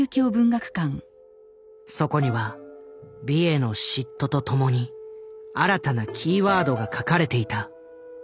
そこには「美への嫉妬」と共に新たなキーワードが書かれていた。